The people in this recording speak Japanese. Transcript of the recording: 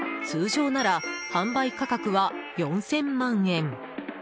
通常なら販売価格は４０００万円。